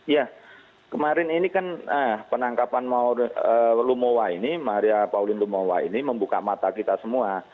ya kemarin ini kan penangkapan lumowa ini maria pauline lumowa ini membuka mata kita semua